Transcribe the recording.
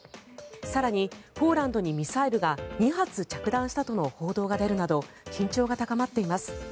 更に、ポーランドにミサイルが２発着弾したとの報道が出るなど緊張が高まっています。